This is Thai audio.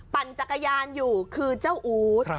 ปั่นจักรยานอยู่คือเจ้าอู๊ด